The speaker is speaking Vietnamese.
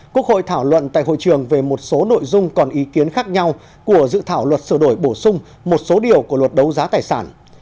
quốc hội thảo luận tại hội trường về một số nội dung còn ý kiến khác nhau của dự thảo luật sửa đổi bổ sung một số điều của luật đấu giá tài sản